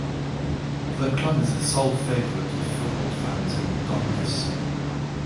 The club is the sole favorite of football fans in the Donbas.